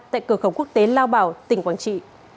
tại cửa khẩu quốc tế lao bảo tỉnh quảng trị